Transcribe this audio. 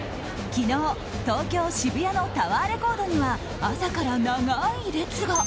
昨日、東京・渋谷のタワーレコードには朝から長い列が。